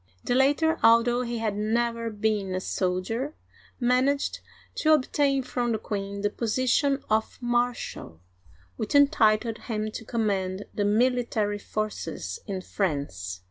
The latter, although he had never been a soldier, managed to obtain from the queen the position of marshal, which entitled him to command the military forces in France.